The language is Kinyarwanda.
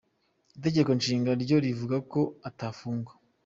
Itegeko Nshinga ryo rivuga ko utafungwa.